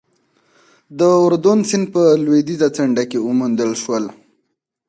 د اردون سیند په لوېدیځه څنډه کې وموندل شول.